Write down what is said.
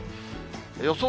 予想